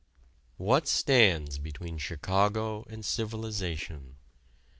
What stands between Chicago and civilization?